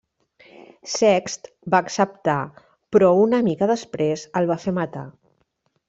Sext va acceptar però una mica després el va fer matar.